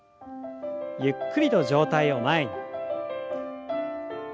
ゆっくりと上体を前に。